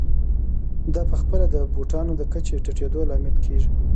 دا په خپله د بوټانو د کچې ټیټېدو لامل کېږي